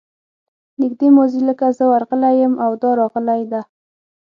نږدې ماضي لکه زه ورغلی یم او دا راغلې ده.